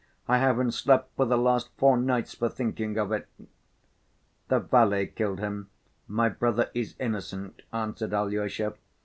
I haven't slept for the last four nights for thinking of it." "The valet killed him, my brother is innocent," answered Alyosha.